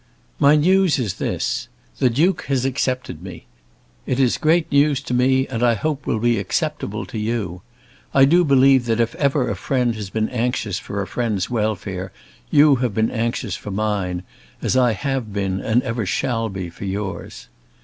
My news is this. The Duke has accepted me. It is great news to me, and I hope will be acceptable to you. I do believe that if ever a friend has been anxious for a friend's welfare you have been anxious for mine, as I have been and ever shall be for yours.